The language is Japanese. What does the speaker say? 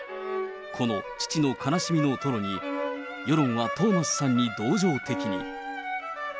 この父の悲しみの吐露に、世論はトーマスさんに同情的に。